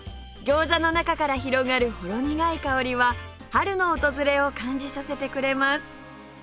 餃子の中から広がるほろ苦い香りは春の訪れを感じさせてくれます